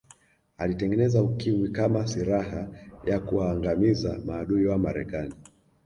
alitengeneza ukimwi kama siraha ya kuwaangamiza maadui wa marekani